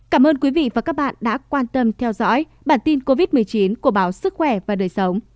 cảm ơn quý vị và các bạn đã quan tâm theo dõi bản tin covid một mươi chín của báo sức khỏe và đời sống